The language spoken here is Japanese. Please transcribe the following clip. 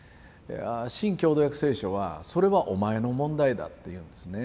新共同訳聖書は「それはお前の問題だ」っていうんですね。